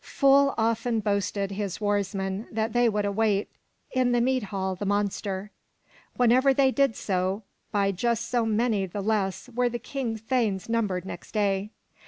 Full often boasted his warsmen that they would await in the mead hall the monster. Whenever they did so, by just so many the less were the King's thanes numbered next day.